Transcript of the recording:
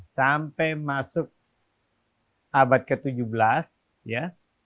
sampai masuk abad ke tujuh belas ya